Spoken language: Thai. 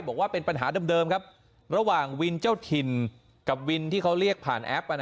บอกว่าเป็นปัญหาเดิมครับระหว่างวินเจ้าถิ่นกับวินที่เขาเรียกผ่านแอป